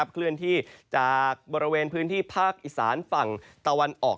เคลื่อนที่จากบริเวณพื้นที่ภาคอีสานฝั่งตะวันออก